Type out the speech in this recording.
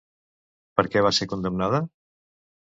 Per què va ser condemnada?